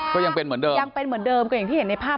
ก็ยังเป็นเหมือนเดิมก็อย่างที่เห็นในภาพ